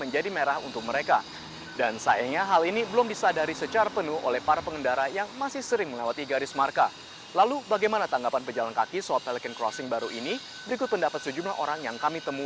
jembatan penyeberangan orang